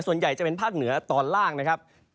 ส่วนใหญ่จะเป็นภาคเหนือตอนล่างนะครับ